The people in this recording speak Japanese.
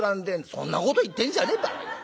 「そんなこと言ってんじゃねえバカ野郎。